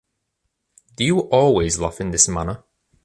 Do you always laugh in this manner?